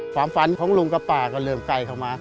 ความฝันของลุงกับป่าก็เริ่มใกล้เข้ามา